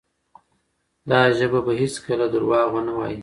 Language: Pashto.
دا ژبه به هیڅکله درواغ ونه وایي.